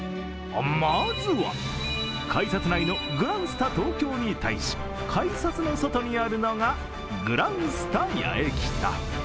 まずは、改札内のグランスタ東京に対し、改札の外にあるのがグランスタ八重北。